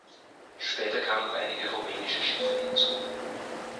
Später kamen noch einige rumänische Schiffe hinzu.